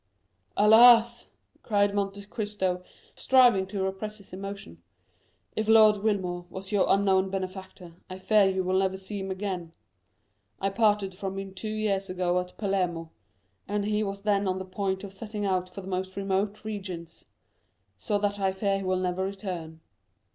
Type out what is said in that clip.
"Alas," cried Monte Cristo, striving to repress his emotion, "if Lord Wilmore was your unknown benefactor, I fear you will never see him again. I parted from him two years ago at Palermo, and he was then on the point of setting out for the most remote regions; so that I fear he will never return."